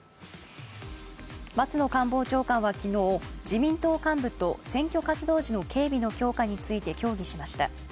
松野官房長官は昨日、自民党幹部と選挙活動時の経鼻の強化について協議しました。